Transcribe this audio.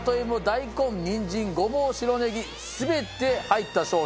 大根にんじんごぼう白ネギ全て入った商品。